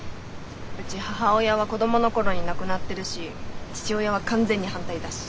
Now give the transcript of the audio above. うち母親は子供の頃に亡くなってるし父親は完全に反対だし。